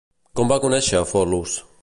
Com va conèixer a Folos?